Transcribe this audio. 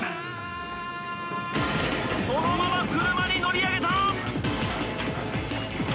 そのまま車に乗り上げた！